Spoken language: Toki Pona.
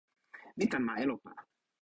mi tan ma Elopa.